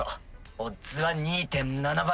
オッズは２．７倍。